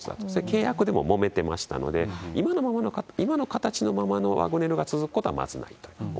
契約でももめてましたので、今の形のままのワグネルが続くことはまずないと。